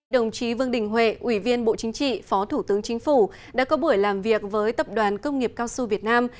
đồng chí vương đình huệ ủy viên bộ chính trị phó thủ tướng chính phủ đã có buổi làm việc với tập đoàn công nghiệp cao su việt nam